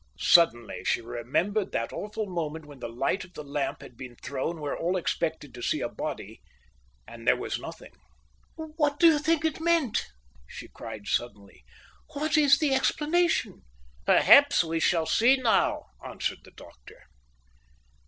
Suddenly she remembered that awful moment when the light of the lamp had been thrown where all expected to see a body, and there was nothing. "What do you think it meant?" she cried suddenly. "What is the explanation?" "Perhaps we shall see now," answered the doctor.